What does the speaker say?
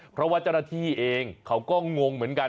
เพราะว่าเจ้าหน้าที่เองเขาก็งงเหมือนกัน